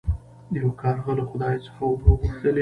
یو کارغه له خدای څخه اوبه وغوښتلې.